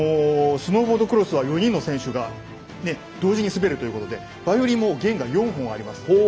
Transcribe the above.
スノーボードクロスは４人の選手が同時に滑るということでバイオリンも弦が４本あります。